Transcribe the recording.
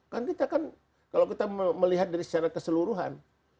kan kita kan kalau kita melihat dari secara keseluruhan